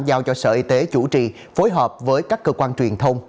giao cho sở y tế chủ trì phối hợp với các cơ quan truyền thông